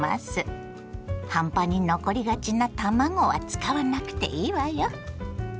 半端に残りがちな卵は使わなくていいわよ。